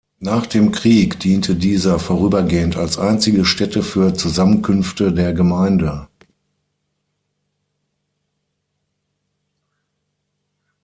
Nach dem Krieg diente dieser vorübergehend als einzige Stätte für Zusammenkünfte der Gemeinde.